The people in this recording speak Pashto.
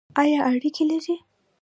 ایا اریګی لرئ؟